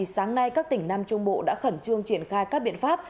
sáng nay các tỉnh nam trung bộ đã khẩn trương triển khai các biện pháp